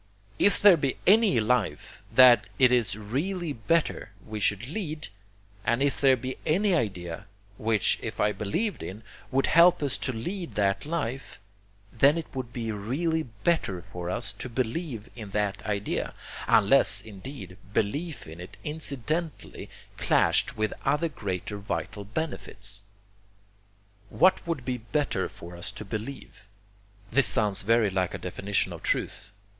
If there be any life that it is really better we should lead, and if there be any idea which, if believed in, would help us to lead that life, then it would be really BETTER FOR US to believe in that idea, UNLESS, INDEED, BELIEF IN IT INCIDENTALLY CLASHED WITH OTHER GREATER VITAL BENEFITS. 'What would be better for us to believe'! This sounds very like a definition of truth.